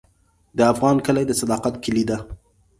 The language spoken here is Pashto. د افغان کلی د صداقت کلی دی.